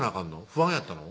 不安やったの？